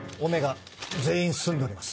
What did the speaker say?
Ω全員済んでおります。